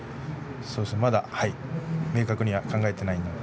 まだ明確には考えていません。